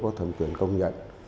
có thẩm quyền công nhận